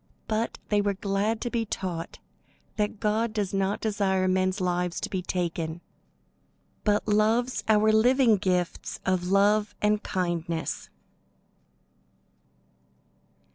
But they were glad to be taught that God does not desire men's lives to be taken, but loves our living gifts of love and kindness.